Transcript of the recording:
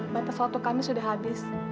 bantuan suatu kami sudah habis